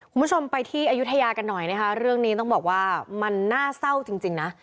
คุณผู้ชมไปที่อายุทยากันหน่อยนะคะเรื่องนี้ต้องบอกว่ามันน่าเศร้าจริงนะ